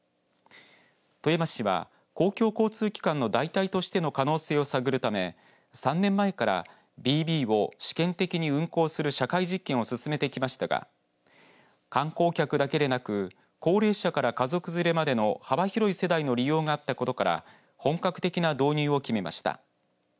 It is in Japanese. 富山市は公共交通機関の代替としての可能性を探るため３年前からビービーを試験的に運行する社会実験を進めてきましたが観光客だけでなく高齢者から家族連れまでの幅広い世代の利用があったことから本格的な導入を決めました。